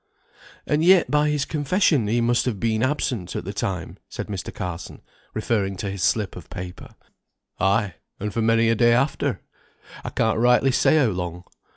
"And yet by his confession he must have been absent at the time," said Mr. Carson, referring to his slip of paper. "Ay, and for many a day after, I can't rightly say how long.